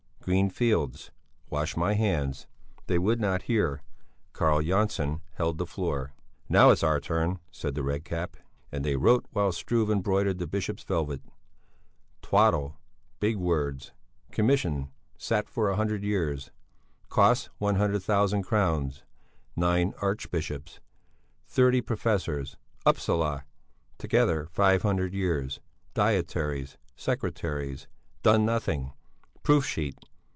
Green fields. Wash my hands. They would not hear. Carl Jönsson held the floor. "Now it's our turn!" said the Red Cap. And they wrote while Struve embroidered the Bishop's velvet. Twaddle. Big words. Commission sat for a hundred years. Costs 100.000 Crowns. 9 archbishops. 30 Prof. Upsala. Together 500 years. Dietaries. Secretaries. Amanuenses. Done nothing. Proof sheet.